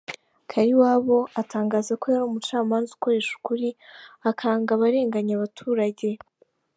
Kaliwabo atangaza ko yari umucamanza ukoresha ukuri akanga abarenganya abaturage.